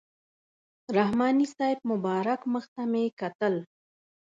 رحماني صاحب مبارک مخ ته مې کتل.